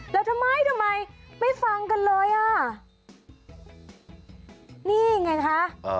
แล้วทำไมไม่ฟังกันเลยนี่ไงคะ